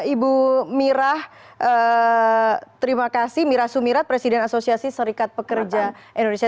ibu mira terima kasih mira sumirat presiden asosiasi serikat pekerja indonesia